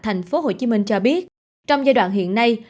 thành phố hồ chí minh cho biết trong giai đoạn hiện nay